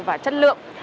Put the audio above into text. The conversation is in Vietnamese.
và chất lượng